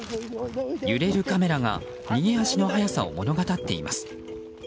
揺れるカメラが逃げ足の速さを物語っています。